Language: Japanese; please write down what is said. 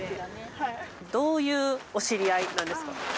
どういうお知り合いなんですか？